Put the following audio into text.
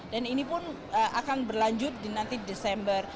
ini pun akan berlanjut di nanti desember